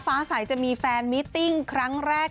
ฟ้าใสจะมีแฟนมิตติ้งครั้งแรก